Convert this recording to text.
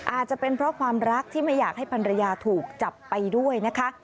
อาจจะเป็นเพราะความรักที่ไม่อยากให้ภรรยาถูกจับไปด้วยนะคะ